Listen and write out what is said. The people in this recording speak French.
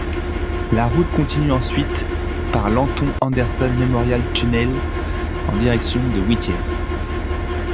La route continue ensuite par l'Anton Anderson Memorial Tunnel en direction de Whittier.